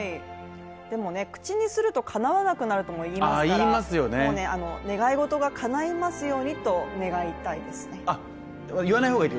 でもね、口にするとかなわなくなるとも言いますからもうね、願い事がかないますようにと願いたいですね。